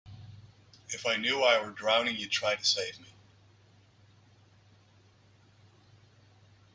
I knew if I were drowning you'd try to save me.